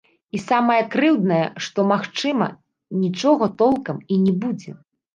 І самае крыўднае, што, магчыма, нічога толкам і не будзе.